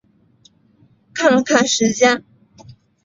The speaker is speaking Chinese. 看了看时间